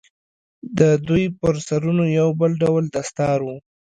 د دوى پر سرونو يو بل ډول دستار و.